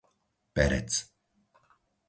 Perec